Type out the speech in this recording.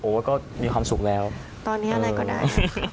ก็มีความสุขแล้วตอนนี้อะไรก็ได้